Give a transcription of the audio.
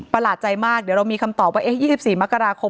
ประหลาดใจมากเดี๋ยวเรามีคำตอบว่าเอ๊ะยี่สิบสี่มกราคม